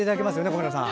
小村さん。